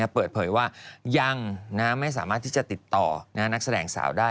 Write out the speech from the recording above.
เปิดเผยว่ายังไม่สามารถที่จะติดต่อนักแสดงสาวได้